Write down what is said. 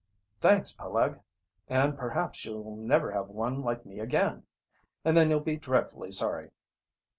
"Thanks, Peleg, and perhaps you'll never have one like me again and then you'll be dreadfully sorry."